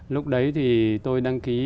lúc đấy thì tôi đăng ký